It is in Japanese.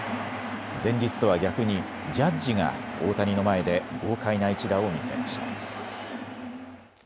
前日とは逆にジャッジが大谷の前で豪快な１打を見せました。